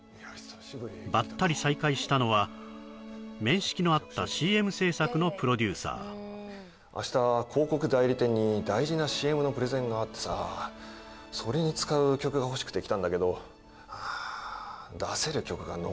バッタリ再会したのは面識のあったＣＭ制作のプロデューサー明日広告代理店に大事なＣＭのプレゼンがあってさそれに使う曲が欲しくて来たんだけど出せる曲が残ってないって言われちゃってさ